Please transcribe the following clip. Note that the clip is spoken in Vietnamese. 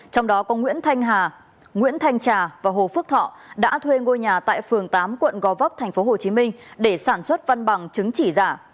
trong đó có nguyễn thanh hà nguyễn thanh trà và hồ phước thọ đã thuê ngôi nhà tại phường tám quận gò vấp tp hcm để sản xuất văn bằng chứng chỉ giả